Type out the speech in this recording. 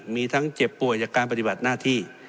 มีทั้งเจ็บป่วยจากการปฏิบัติหน้าที่